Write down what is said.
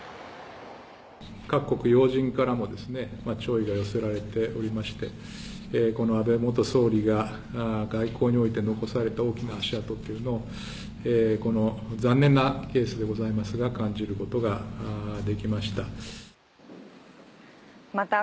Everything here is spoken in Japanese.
各国要人からも弔意が寄せられておりまして、この安倍元総理が外交において残された大きな足跡というのを、この残念なケースでございますが、感じることができました。